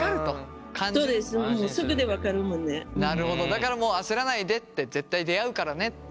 だからもう焦らないでって絶対出会うからねって。